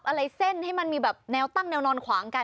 อะไรเส้นให้มันมีแบบแนวตั้งแนวนอนขวางกัน